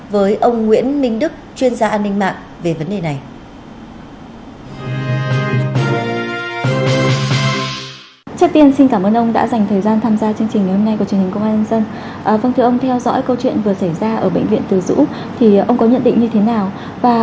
với ông nguyễn minh đức chuyên gia an ninh mạng về vấn đề này